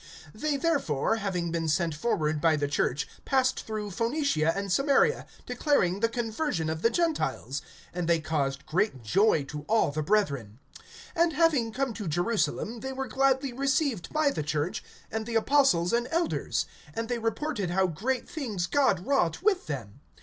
(3)They therefore, having been sent forward by the church, passed through Phoenicia and Samaria, declaring the conversion of the Gentiles; and they caused great joy to all the brethren. (4)And having come to Jerusalem, they were gladly received by the church, and the apostles and elders; and they reported how great things God wrought with them.